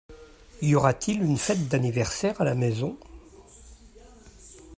Y aura-t-il une fête d'anniversaire à la maison ?